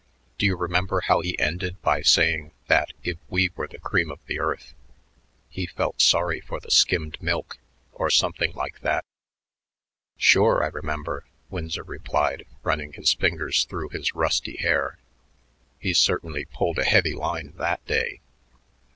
Do you remember how he ended by saying that if we were the cream of the earth, he felt sorry for the skimmed milk or something like that?" "Sure, I remember," Winsor replied, running his fingers through his rusty hair. "He certainly pulled a heavy line that day.